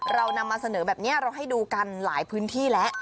เรานำมาเสนอแบบนี้เราให้ดูกันหลายพื้นที่แล้ว